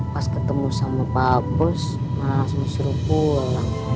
pas ketemu sama pak bos rena langsung disuruh pulang